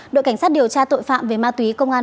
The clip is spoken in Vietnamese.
đội cảnh sát điều tra tội phạm đã đưa đơn cho ông mỹ